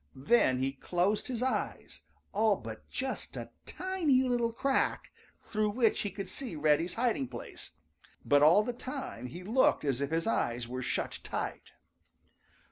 Then he closed his eyes all but just a tiny little crack, through which he could see Reddy's hiding place, but all the time he looked as if his eyes were shut tight.